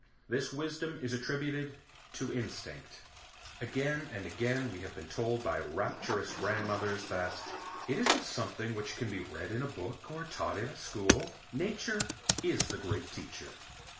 This wisdom is attributed to instinct. Again and again we have been told by rapturous grandmothers that: "It isn't something which can be read in a book or taught in a school. Nature is the great teacher."